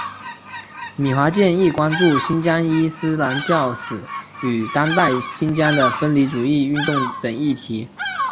米华健亦关注新疆伊斯兰教史与当代新疆的分离主义运动等议题。